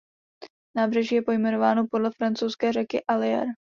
Nábřeží je pojmenováno podle francouzské řeky Allier.